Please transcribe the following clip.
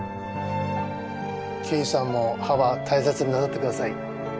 刑事さんも歯は大切になさってください。